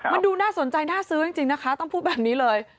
มันดูน่าสนใจน่าซื้อจริงนะคะต้องพูดแบบนี้เลย